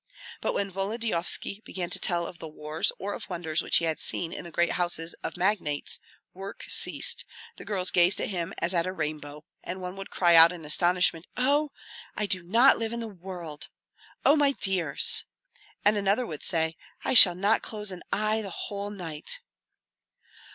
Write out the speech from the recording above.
But when Volodyovski began to tell of the wars or of wonders which he had seen in the great houses of magnates, work ceased, the girls gazed at him as at a rainbow, and one would cry out in astonishment, "Oh! I do not live in the world! Oh, my dears!" and another would say, "I shall not close an eye the whole night!"